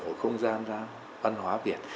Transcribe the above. khỏi không gian ra văn hóa việt